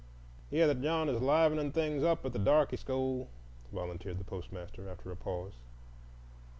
"Heah that John is livenin' things up at the darky school," volunteered the postmaster, after a pause.